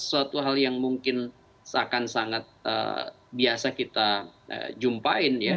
satu hal yang mungkin akan sangat biasa kita jumpain